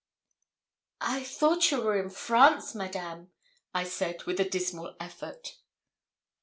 'I thought you were in France, Madame,' I said, with a dismal effort.